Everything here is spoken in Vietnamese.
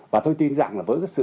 và tôi tin rằng là với sự vọng